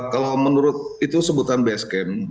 kalau menurut itu sebutan base camp